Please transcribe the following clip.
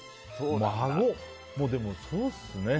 でも、そうっすね。